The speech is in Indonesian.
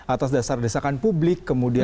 atas dasar desakan publik